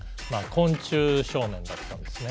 昆虫少年だったんですね。